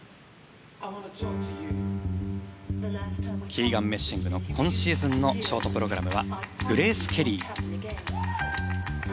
キーガン・メッシングの今シーズンのショートプログラム「ＧｒａｃｅＫｅｌｌｙ」。